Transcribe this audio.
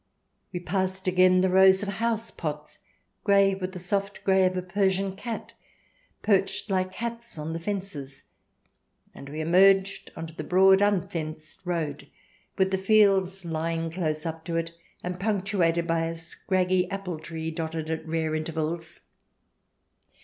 We passed again the rows of housepots, grey with the soft grey of a Persian cat, perched like hats on the fences, and we emerged on to the broad unfenced road, with the fields lying close up to it, and punctuated by a scraggy apple tree dotted at rare intervals.